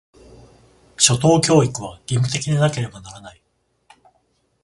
初等教育は、義務的でなければならない。